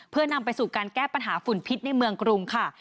เพื่อนำไปสู่การแก้ปัญหาฝุ่นพิษในเมืองกรุงค่ะ